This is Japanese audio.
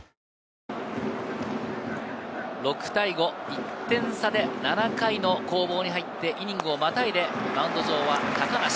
１点差で７回の攻防に入ってイニングをまたいでマウンド上は高梨。